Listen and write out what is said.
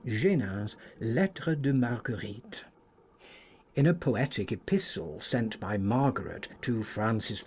Genin's Lettres de Marguerite, p. 321. In a poetic epistle sent by Margaret to Francis I.